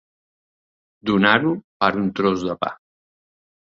Donar-ho per un tros de pa.